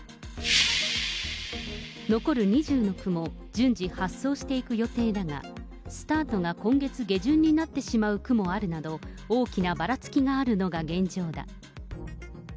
残る２０の区も、順次発送していく予定だが、スタートが今月下旬になってしまう区もあるなど、大きなばらつきがあるのが現状だ。